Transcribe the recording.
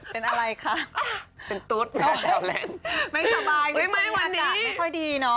เป็นอะไรคะไม่สบายวันนี้อากาศไม่ค่อยดีเนอะเป็นอะไรคะเป็นตุ๊ดแดดแดด